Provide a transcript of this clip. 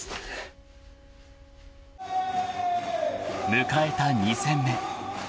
［迎えた２戦目］